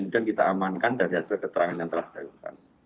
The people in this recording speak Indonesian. kemudian kita amankan dari hasil keterangan yang telah dilakukan